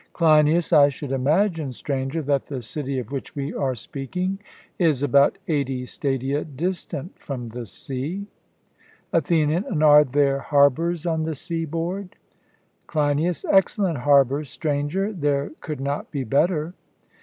CLEINIAS: I should imagine, Stranger, that the city of which we are speaking is about eighty stadia distant from the sea. ATHENIAN: And are there harbours on the seaboard? CLEINIAS: Excellent harbours, Stranger; there could not be better.